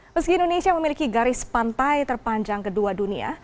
meski indonesia memiliki garis pantai terpanjang kedua dunia